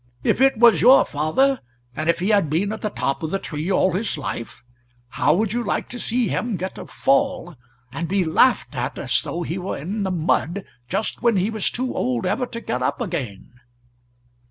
If it was your father, and if he had been at the top of the tree all his life, how would you like to see him get a fall, and be laughed at as though he were in the mud just when he was too old ever to get up again?"